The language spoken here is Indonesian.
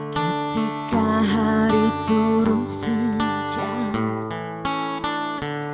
ketika hari turun sejak